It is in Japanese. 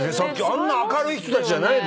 あんな明るい人たちじゃない。